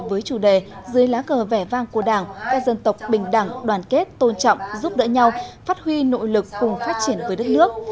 với chủ đề dưới lá cờ vẻ vang của đảng các dân tộc bình đẳng đoàn kết tôn trọng giúp đỡ nhau phát huy nội lực cùng phát triển với đất nước